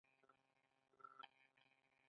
آزاد تجارت مهم دی ځکه چې ډیزاین پرمختګ کوي.